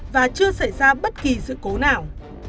và chưa xảy ra bất kỳ dự cố nào